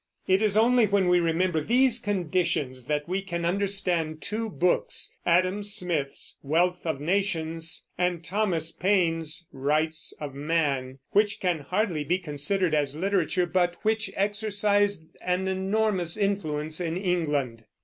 It is only when we remember these conditions that we can understand two books, Adam Smith's Wealth of Nations and Thomas Paine's Rights of Man, which can hardly be considered as literature, but which exercised an enormous influence in England.